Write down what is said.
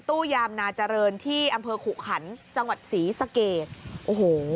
ยามนาเจริญที่อำเภอขุขันจังหวัดศรีสะเกดโอ้โห